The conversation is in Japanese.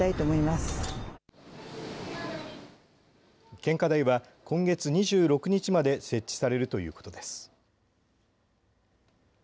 献花台は今月２６日まで設置されるということです。